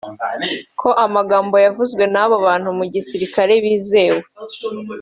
Ko amagambo yavuzwe n’abo bantu mu gisirikare bizewe